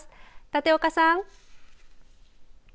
館岡さん。